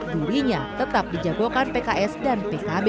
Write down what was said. dirinya tetap dijagokan pks dan pkb